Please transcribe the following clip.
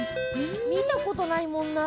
見たことないもんな。